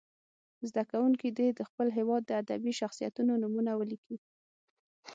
زده کوونکي دې د خپل هېواد د ادبي شخصیتونو نومونه ولیکي.